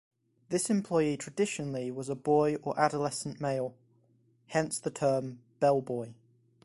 This employee traditionally was a boy or adolescent male, hence the term "bellboy".